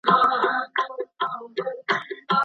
په قلم لیکنه کول د شکلونو د پیژندلو توان لوړوي.